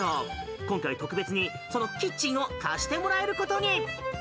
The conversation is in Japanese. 今回は特別にそのキッチンを貸してもらえることに。